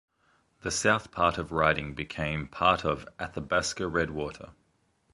The south part of the riding became part of Athabasca-Redwater.